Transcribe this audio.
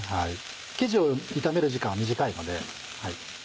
生地を炒める時間は短いので。